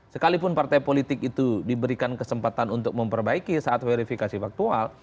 sekalipun partai politik itu diberikan kesempatan untuk memperbaiki saat verifikasi faktual